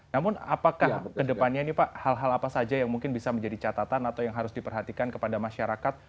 namun apakah kedepannya ini pak hal hal apa saja yang mungkin bisa menjadi catatan atau yang harus diperhatikan kepada masyarakat